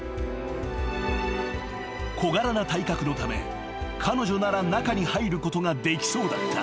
［小柄な体格のため彼女なら中に入ることができそうだった］